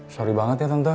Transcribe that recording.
sorry banget ya tante